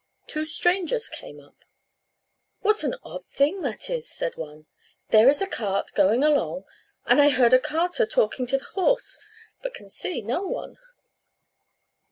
two strangers came up. "What an odd thing that is!" said one, "there is a cart going along, and I heard a carter talking to the horse but can see no one."